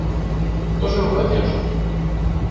Кто же его поддержит?